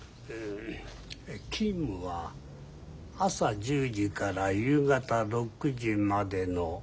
勤務は朝１０時から夕方６時までの８時間。